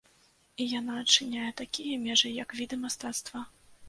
І яна адчыняе такія межы, як віды мастацтва.